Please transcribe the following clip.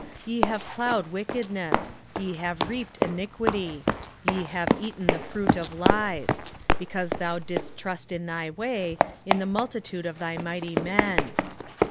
10:13 Ye have plowed wickedness, ye have reaped iniquity; ye have eaten the fruit of lies: because thou didst trust in thy way, in the multitude of thy mighty men.